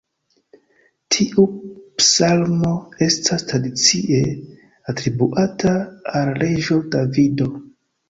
Tiu psalmo estas tradicie atribuata al reĝo Davido.